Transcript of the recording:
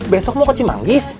besok mau ke cimanggis